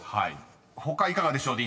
［他いかがでしょう？